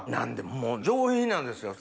もう上品なんですよ。